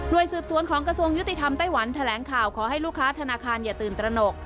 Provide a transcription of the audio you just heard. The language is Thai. โดยสืบสวนของกระทรวงยุติธรรมไต้หวันแถลงข่าวขอให้ลูกค้าธนาคารอย่าตื่นตระหนก